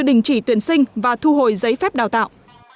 đình chỉ tuyển sinh và thu hồi giấy phép đào tạo